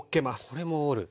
これも折ると。